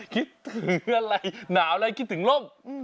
คิดถึงอะไรหนาวอะไรคิดถึงร่ม